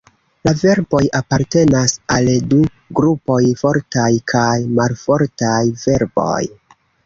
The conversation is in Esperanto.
La verboj apartenas al du grupoj, fortaj kaj malfortaj verboj.